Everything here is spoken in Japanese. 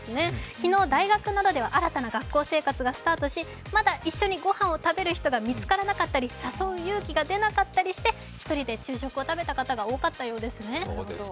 昨日、大学などでは新たな学校生活がスタートし、まだ一緒にご飯を食べる人が見つからなかったり、誘う勇気がなかったりして一人で昼食を食べた方が多かったようですね。